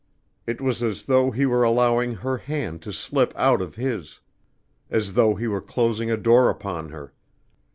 It was as though he were allowing her hand to slip out of his as though he were closing a door upon her.